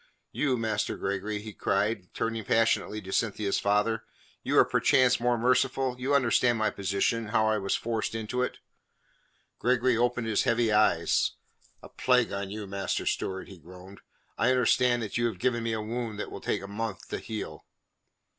You, Master Gregory," he cried, turning passionately to Cynthia's father, "you are perchance more merciful? You understand my position how I was forced into it." Gregory opened his heavy eyes. "A plague on you, Master Stewart," he groaned. "I understand that you have given me a wound that will take a month to heal."